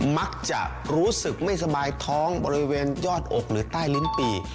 มักจะรู้สึกไม่สบายท้องบริเวณยอดอกหรือใต้ลิ้นปี